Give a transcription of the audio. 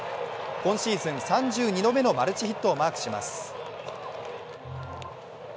今シーズン３２度目のマルチヒットをマークします。